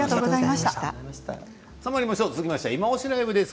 続いては「いまオシ！ＬＩＶＥ」です。